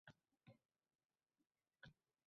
Har kim peshonasida bitilganini ko`radi, deyishadi-ku